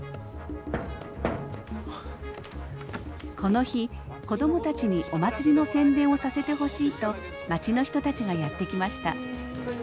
この日子供たちにお祭りの宣伝をさせてほしいと町の人たちがやって来ました。